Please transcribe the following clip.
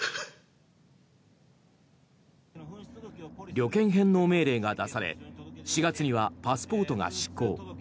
旅券返納命令が出され４月にはパスポートが失効。